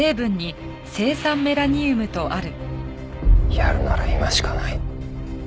やるなら今しかない。